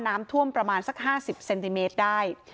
น้ำท่วมประมาณสัก๕๐เซนติเมตรได้